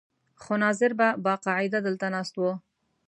خو ناظر به باقاعده دلته ناست و.